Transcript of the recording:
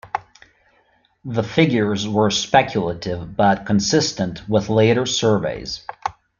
The figures were speculative but consistent with later surveys.